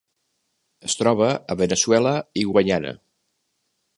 Es troba a Veneçuela i Guaiana.